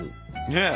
ねえ。